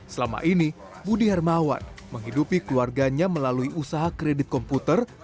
selama ini budi hermawan menghidupi keluarganya melalui usaha kredit komputer